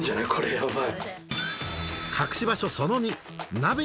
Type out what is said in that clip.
やばい。